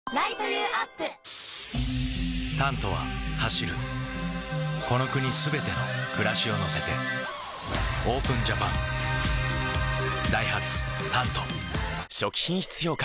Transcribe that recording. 「タント」は走るこの国すべての暮らしを乗せてＯＰＥＮＪＡＰＡＮダイハツ「タント」初期品質評価